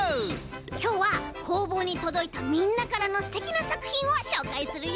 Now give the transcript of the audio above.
きょうはこうぼうにとどいたみんなからのすてきなさくひんをしょうかいするよ！